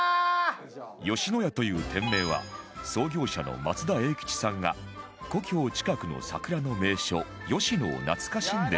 野家という店名は創業者の松田栄吉さんが故郷近くの桜の名所吉野を懐かしんで命名したそうです